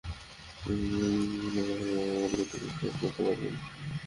কিন্তু সেই বাধা-বিঘ্ন কখনো আমাদের কাজের গতিকে শ্লথ করতে পারবে না।